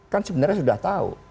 kan sebenarnya sudah tahu